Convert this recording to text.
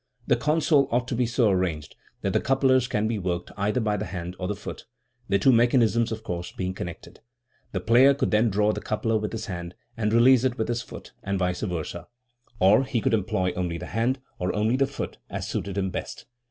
The console ought to be so arranged that the couplers can be worked either by the hand or the foot, the two mechanisms, of course, being connected. The player could then draw the coupler with his hand and release it with his foot, and vice versd, or he could employ only the hand or only the foot, as suited him best.